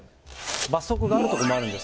罰則があるとこもあるんです。